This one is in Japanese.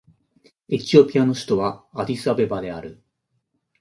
エチオピアの首都はアディスアベバである